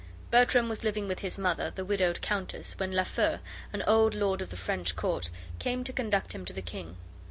Bertram was living with his mother, the widowed countess, when Lafeu, an old lord of the French court, came to conduct him to the king.